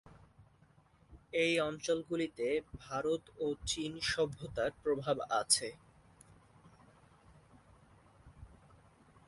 এই অঞ্চলগুলিতে ভারত ও চীন সভ্যতার প্রভাব আছে।